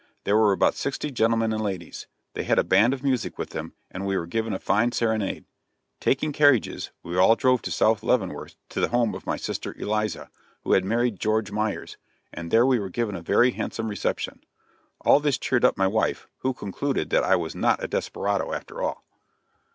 There were about sixty gentlemen and ladies. They had a band of music with them, and we were given a fine serenade. Taking carriages, we all drove to South Leavenworth to the home of my sister Eliza, who had married George Myers, and there we were given a very handsome reception. All this cheered up my wife, who concluded that I was not a desperado after all.